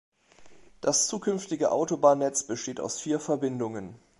Das zukünftige Autobahnnetz besteht aus vier Verbindungen.